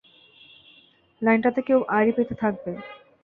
লাইনটাতে কেউ আড়ি পেতে থাকবে!